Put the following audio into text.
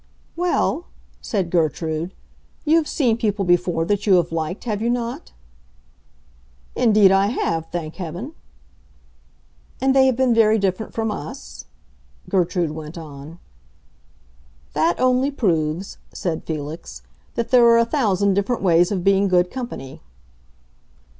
"Well," said Gertrude, "you have seen people before that you have liked, have you not?" "Indeed I have, thank Heaven!" "And they have been very different from us," Gertrude went on. "That only proves," said Felix, "that there are a thousand different ways of being good company."